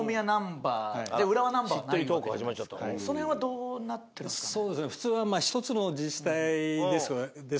その辺はどうなってるんですかね。